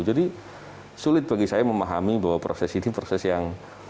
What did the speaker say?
jadi sulit bagi saya memahami bahwa proses ini proses yang